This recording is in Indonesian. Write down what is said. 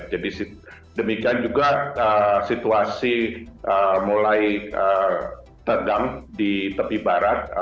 jadi demikian juga situasi mulai tergang di tepi barat